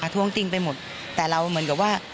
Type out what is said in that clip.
ท้วงติงไปหมดแต่เราเหมือนกับว่า